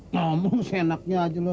ngomong senaknya aja loh